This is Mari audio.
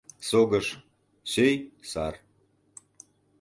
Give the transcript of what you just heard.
Согыш — сӧй, сар.